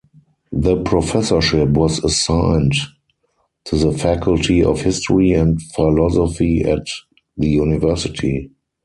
The professorship was assigned to the Faculty of History and Philosophy at the university.